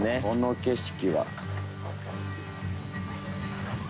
この景色は。